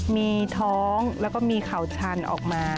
มีท้องแล้วก็มีเข่าชันออกมา